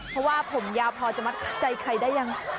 เพราะว่าผมยาวพอจะมัดใจใครได้ยัง